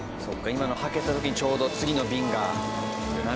今のはけた時にちょうど次の便がなるほど。